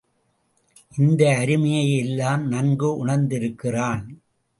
இந்த அருமையை எல்லாம் நன்கு உணர்ந்திருக்கிறான்.